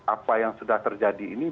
apa yang sudah terjadi ini